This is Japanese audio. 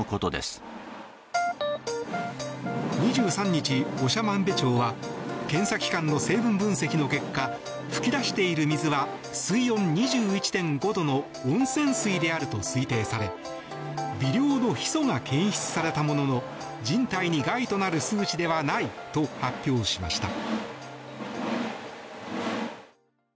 ２３日、長万部町は検査機関の成分分析の結果噴き出している水は水温２１．５度の温泉水であると推定され微量のヒ素が検出されたものの人体に害となる数値ではないと発表しました。